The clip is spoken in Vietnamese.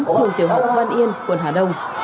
trường tiểu học quang yên quận hà đông